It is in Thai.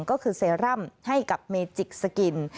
ก็คือเซรั่มให้กับเมจิกสกิน